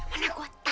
mana gue tahu